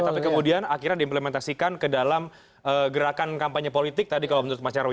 tapi kemudian akhirnya diimplementasikan ke dalam gerakan kampanye politik tadi kalau menurut mas nyarwi